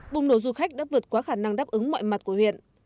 bùng nổ du khách đã vượt qua khả năng đáp ứng mọi mặt của huyện